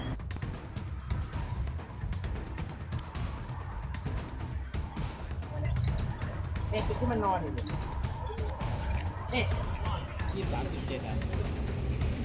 จะขยับไหมขยับที่นี่หมุนตัวนะหมุนตัวด้วย